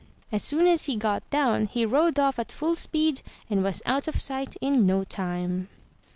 As soon as he got down, he rode off at full speed, and was out of sight in no time.